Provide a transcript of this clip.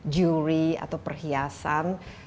juri atau perhiasan